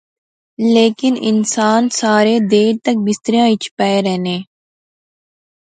لیکن انسان سارے دیر تک بستریاں اچ پے رہنے